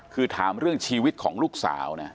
คือถามเรื่องชีวิตของลูกสาวนะ